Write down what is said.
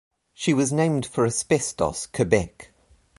She was named for Asbestos, Quebec.